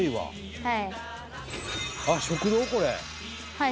「はい。